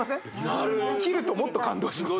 なる切るともっと感動します